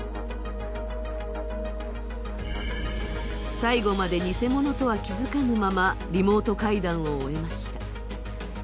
最後まで偽者とは気づかぬまま、リモート会談を終えました。